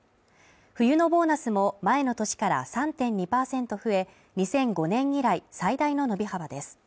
冬のボーナスも前の年から３．２％増え、２００５年以来最大の伸び幅です。